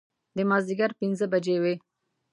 د مازدیګر پنځه بجې وې.